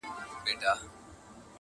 چي را نه سې پر دې سیمه پر دې لاره٫